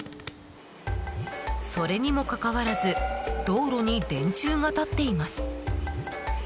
それにもかかわらず道路に電柱が立っています。